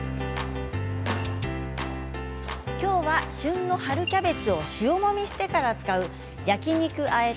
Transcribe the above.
きょうは旬の春キャベツを塩もみしてから使う焼き肉あ